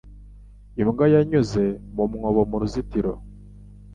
Imbwa yanyuze mu mwobo mu ruzitiro.